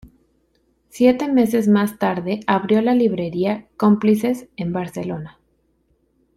Siete meses más tarde abrió la librería Cómplices en Barcelona.